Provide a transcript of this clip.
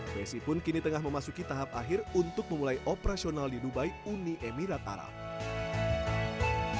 psi pun kini tengah memasuki tahap akhir untuk memulai operasional di dubai uni emirat arab